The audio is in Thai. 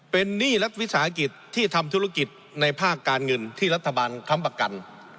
เป็นหนี้รัฐวิสาหกิจที่ทำธุรกิจในภาคการเงินที่รัฐบาลค้ำประกัน